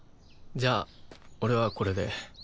じゃあ俺はこれで。